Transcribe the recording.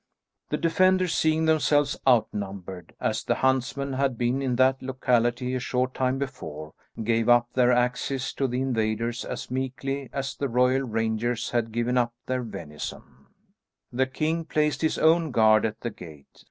The defenders seeing themselves outnumbered, as the huntsmen had been in that locality a short time before, gave up their axes to the invaders as meekly as the royal rangers had given up their venison. The king placed his own guard at the gate.